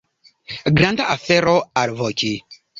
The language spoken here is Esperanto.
Granda afero alvoki!